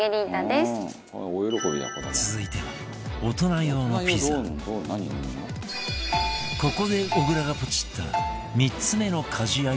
続いてはここで小倉がポチった３つ目の家事アイテムが